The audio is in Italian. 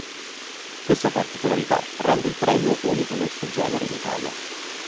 Questa particolarità rende il premio unico nel suo genere in Italia.